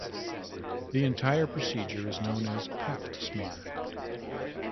The entire procedure is known as Pap smear.